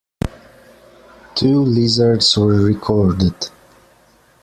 Two lizards were recorded.